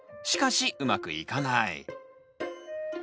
しかしうまくいかない。